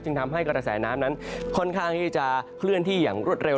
ทำให้กระแสน้ำนั้นค่อนข้างที่จะเคลื่อนที่อย่างรวดเร็ว